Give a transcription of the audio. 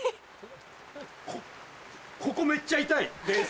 こここめっちゃ痛いです。